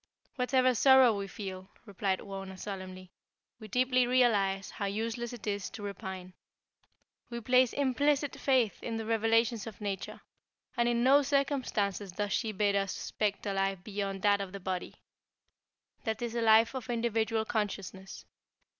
"Whatever sorrow we feel," replied Wauna, solemnly, "we deeply realize how useless it is to repine. We place implicit faith in the revelations of Nature, and in no circumstances does she bid us expect a life beyond that of the body. That is a life of individual consciousness."